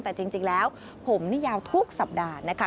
แต่จริงแล้วผมนี่ยาวทุกสัปดาห์นะคะ